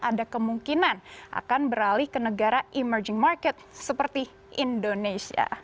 ada kemungkinan akan beralih ke negara emerging market seperti indonesia